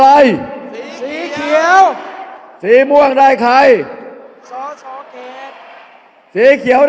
อย่าให้ลุงตู่สู้คนเดียว